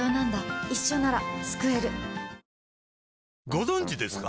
ご存知ですか？